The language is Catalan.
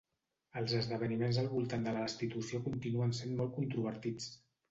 Els esdeveniments al voltant de la destitució continuen sent molt controvertits.